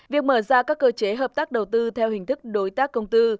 việc mở ra các cơ chế hợp tác đầu tư theo hình thức đối tác công tư